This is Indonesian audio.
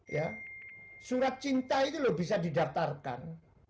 ya surat cinta itu loh bisa didaftarkan